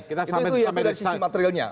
itu yang dari sisi materialnya